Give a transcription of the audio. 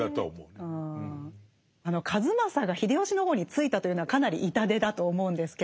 数正が秀吉の方についたというのはかなり痛手だと思うんですけれど。